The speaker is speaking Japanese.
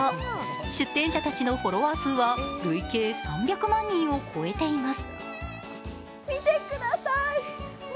出展者たちのフォロワー数は累計３００万人を超えています。